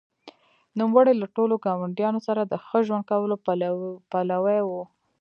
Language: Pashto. نوموړي له ټولو ګاونډیانو سره د ښه ژوند کولو پلوی و.